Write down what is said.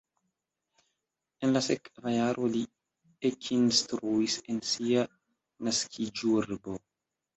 En la sekva jaro li ekinstruis en sia naskiĝurbo.